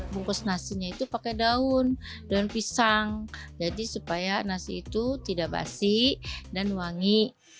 bungkus nasinya itu pakai daun daun pisang jadi supaya nasi itu tidak basi dan wangi